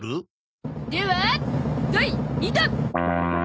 では第２弾！